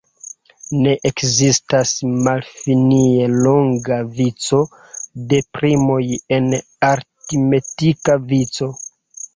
Ne ekzistas malfinie longa vico de primoj en aritmetika vico.